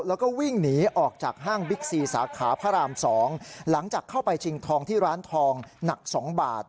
แล้วก็วิ่งหนีออกจากห้างบิ๊กซีสาขาพระราม๒หลังจากเข้าไปชิงทองที่ร้านทองหนัก๒บาท